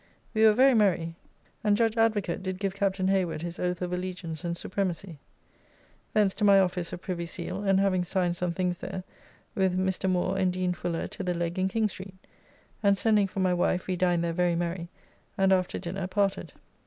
We were very merry, and judge Advocate did give Captain Hayward his Oath of Allegiance and Supremacy. Thence to my office of Privy Seal, and, having signed some things there, with Mr. Moore and Dean Fuller to the Leg in King Street, and, sending for my wife, we dined there very merry, and after dinner, parted.